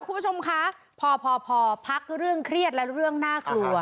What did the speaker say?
คุณผู้ชมคะพอพอพักเรื่องเครียดและเรื่องน่ากลัว